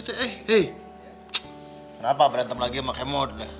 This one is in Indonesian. hei kenapa berantem lagi sama kemod